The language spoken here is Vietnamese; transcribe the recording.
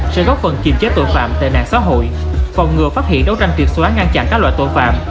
sẽ góp phần kiềm chế tội phạm tệ nạn xã hội phòng ngừa phát hiện đấu tranh triệt xóa ngăn chặn các loại tội phạm